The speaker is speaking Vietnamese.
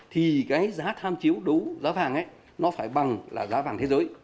thì cái giá tham chiếu đấu giá vàng ấy nó phải bằng là giá vàng thế giới